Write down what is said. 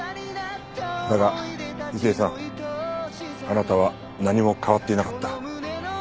だが池井さんあなたは何も変わっていなかった。